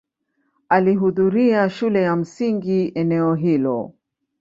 Alihudhuria shule ya msingi eneo hilo.